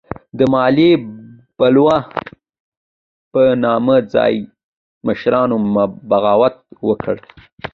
د مالیې بلوا په نامه ځايي مشرانو بغاوت وکړ.